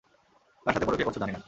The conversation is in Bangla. কার সাথে পরকীয়া করছ, জানি না।